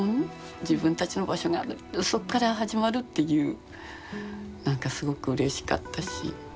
自分たちの場所があるそっから始まるっていうなんかすごくうれしかったし。